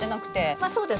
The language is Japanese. まあそうですね。